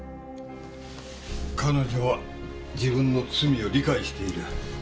彼女は自分の罪を理解している。